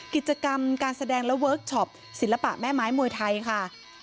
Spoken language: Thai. กิจกรรมการแสดงและเวิร์คชอปศิลปะแม่ไม้มวยไทยค่ะ